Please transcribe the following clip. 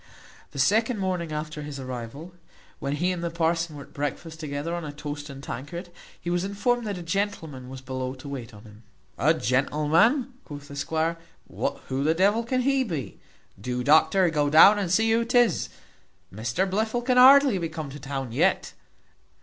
The second morning after his arrival, while he and the parson were at breakfast together on a toast and tankard, he was informed that a gentleman was below to wait on him. "A gentleman!" quoth the squire, "who the devil can he be? Do, doctor, go down and see who 'tis. Mr Blifil can hardly be come to town yet.